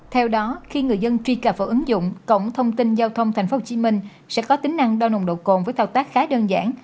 theo đó khi người dân truy cập vào ứng dụng cổng thông tin giao thông tp hcm sẽ có tính năng đo nồng độ cồn với thao tác khá đơn giản